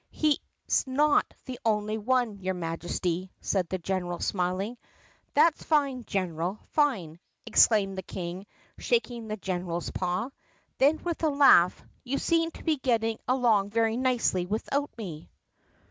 "He 's not the only one, your Majesty," said the general smiling. "That's fine, General, fine!" exclaimed the King shaking the general's paw. Then with a laugh, "You seem to be get ting along very nicely without me."